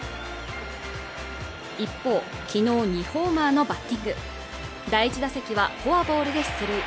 一方昨日２ホーマーのバッティング第１打席はフォアボールで出塁